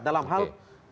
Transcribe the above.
dalam hal birokrasi